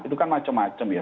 itu kan macam macam ya